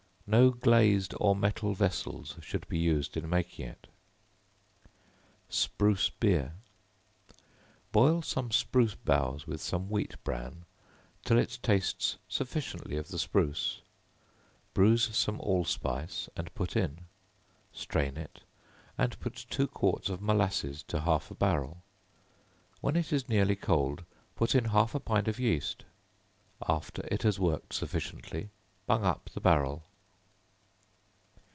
No glazed or metal vessels should be used in making it. Spruce Beer. Boil some spruce boughs with some wheat bran, till it tastes sufficiently of the spruce; bruise some allspice, and put in; strain it, and put two quarts of molasses to half a barrel; when it is nearly cold, put in half a pint of yeast; after it has worked sufficiently, bung up the barrel.